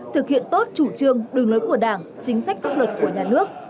thực hiện tốt chủ trương đường lối của đảng chính sách pháp luật của nhà nước